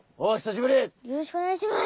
よろしくお願いします。